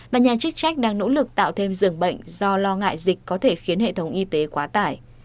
và nhà chức trách đang nỗ lực tạo thêm giường bệnh do lo ngại dịch có thể khiến hệ thống y tế quá tải